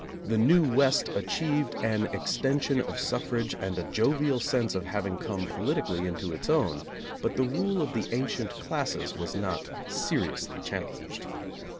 The new West achieved an extension of suffrage and a jovial sense of having come politically into its own, but the rule of the ancient classes was not seriously challenged.